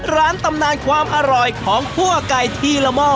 ตำนานความอร่อยของคั่วไก่ทีละหม้อ